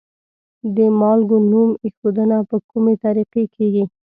د مالګو نوم ایښودنه په کومې طریقې کیږي؟